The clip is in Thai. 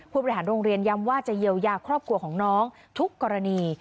บริหารโรงเรียนย้ำว่าจะเยียวยาครอบครัวของน้องทุกกรณี